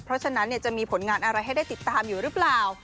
เพราะฉะนั้นจะมีผลงานอะไรให้ได้ติดตามอยู่หรือเปล่า